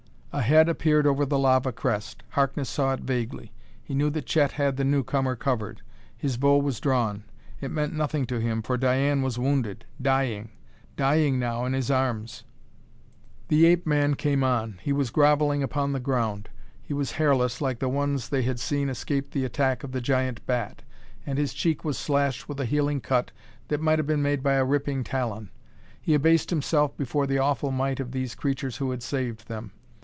A head appeared over the lava crest. Harkness saw it vaguely. He knew that Chet had the newcomer covered; his bow was drawn. It meant nothing to him, for Diane was wounded dying! Dying, now, in his arms.... The ape man came on; he was grovelling upon the ground. He was hairless, like the one they had seen escape the attack of the giant bat, and his cheek was slashed with a healing cut that might have been made by a ripping talon. He abased himself before the awful might of these creatures who had saved them.